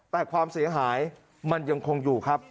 แต่ความเสียหายมันยังคงอยู่ครับ